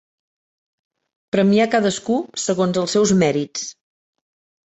Premiar cadascú segons els seus mèrits.